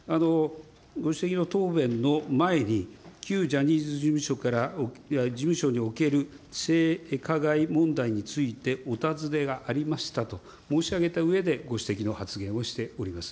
ご指摘の答弁の前に、旧ジャニーズ事務所における性加害問題についてお尋ねがありましたと申し上げたうえでご指摘の発言をしております。